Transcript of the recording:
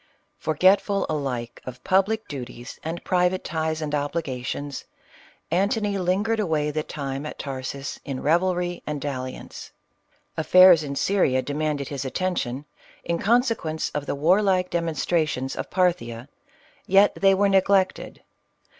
Forgetful alike of public duties and private ties and obligations, Antony lingered away the time at Tarsus in revelry and dalliance. Affairs in Syria demanded his attention, in consequence of the warlike demonstra tions of Parthia, yet they were neglected.